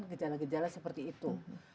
gejala gejala seperti itu